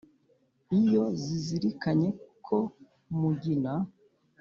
iyo zizirikanye ko mugina